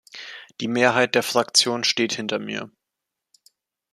Die Mehrheit der Fraktion steht hinter mir.